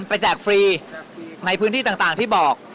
แจกฟรีในพื้นที่ต่างที่บอก